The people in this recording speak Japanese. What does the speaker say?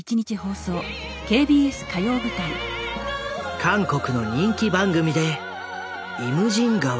韓国の人気番組で「イムジン河」を熱唱。